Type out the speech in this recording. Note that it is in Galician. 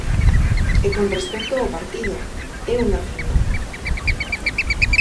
E con respecto ao partido, é unha final.